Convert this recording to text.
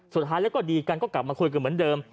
สุดท้ายแล้วก็ดีกันก็กลับมาคุยกันเหมือนเดิม